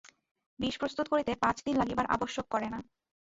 বিষ প্রস্তুত করিতে পাঁচ দিন লাগিবার আবশ্যক করে না।